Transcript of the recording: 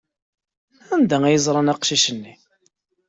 Anda ay ẓran aqcic-nni?